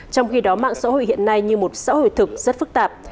trong khi đó mạng xã hội hiện nay như một xã hội thực rất phức tạp